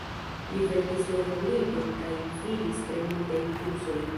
Li verkis lernolibron kaj gvidis tre multajn kursojn.